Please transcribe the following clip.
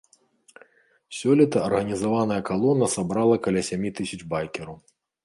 Сёлета арганізаваная калона сабрала каля сямі тысяч байкераў.